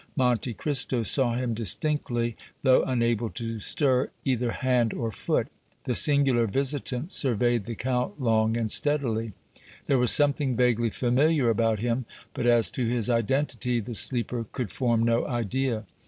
Monte Cristo saw him distinctly, though unable to stir either hand or foot. The singular visitant surveyed the Count long and steadily. There was something vaguely familiar about him, but as to his identity the sleeper could form no idea.